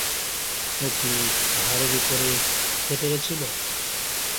ও কি পাহাড়ের ওপরে উঠতে পেরেছিল?